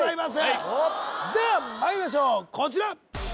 はいではまいりましょうこちら